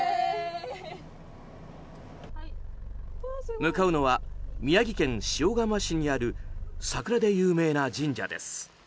向かうのは宮城県塩竈市にある桜で有名な神社です。